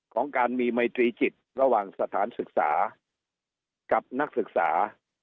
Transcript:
ของการมีไมตรีจิตระหว่างสถานศึกษากับนักศึกษา